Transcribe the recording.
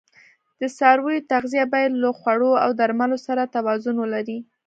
د څارویو تغذیه باید له خوړو او درملو سره توازون ولري.